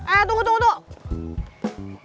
eh tunggu tunggu tunggu